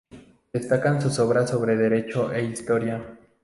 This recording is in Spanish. Destacan sus obras sobre Derecho e Historia.